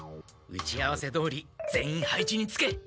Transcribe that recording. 打ち合わせどおり全員配置につけ。